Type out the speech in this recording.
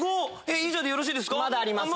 以上でよろしいですか？